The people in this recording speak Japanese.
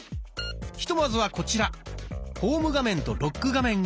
ひとまずはこちら「ホーム画面とロック画面」を選んで下さい。